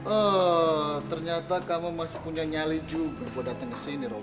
eh ternyata kamu masih punya nyali juga buat datang ke sini romo